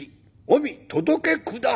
お見届け下され」。